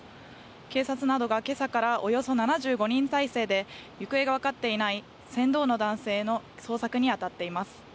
警察などがけさからおよそ７５人態勢で行方がわかっていない船頭の男性の捜索にあたっています。